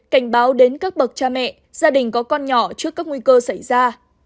cảnh báo đến các bậc cha mẹ gia đình có con nhỏ trước các nguy cơ xảy ra